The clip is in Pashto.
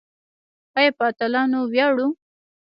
آیا په اتلانو ویاړو؟